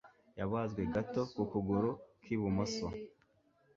Yabazwe gato ku kuguru k'ibumoso.